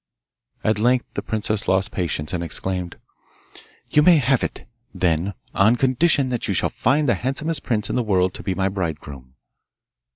At length the princess lost patience, and exclaimed, 'You may have it, then, on condition that you shall find the handsomest prince in the world to be my bridegroom!